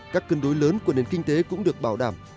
các cân đối lớn của nền kinh tế cũng được bảo đảm